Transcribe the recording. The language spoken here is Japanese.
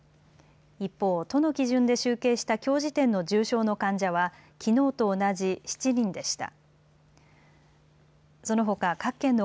一方、都の基準で集計したきょう時点の重症の患者は、きのうと同じ７人でした。